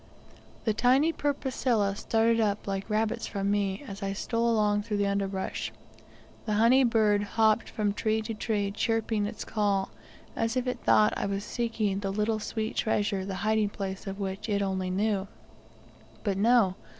The tiny perpusilla started up like rabbits from me as I stole along through the underbrush; the honey bird hopped from tree to tree chirping its call, as if it thought I was seeking the little sweet treasure, the hiding place of which it only knew; but no!